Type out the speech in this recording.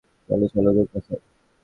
চলে চলো রুম দেখাই।